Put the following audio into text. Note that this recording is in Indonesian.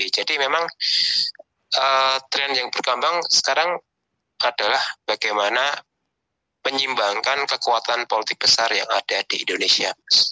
jadi memang tren yang berkembang sekarang adalah bagaimana penyimbangkan kekuatan politik besar yang ada di indonesia